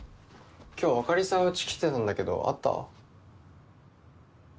今日あかりさんうち来てたんだけど会った？